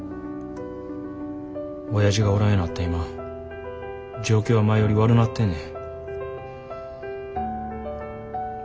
おやじがおらんようなった今状況は前より悪なってんねん。